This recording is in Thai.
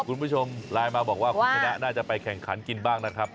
คุณผู้ชมไลน์มาบอกว่าคุณชนะน่าจะไปแข่งขันกินบ้างนะครับ